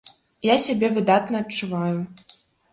Я сябе выдатна адчуваю!